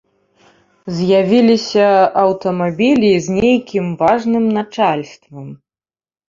З'явіліся аўтамабілі з нейкім важным начальствам.